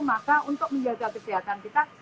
maka untuk menjaga kesehatan kita